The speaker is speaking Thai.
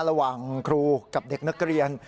ระหว่างครูกับเด็กนักเรียน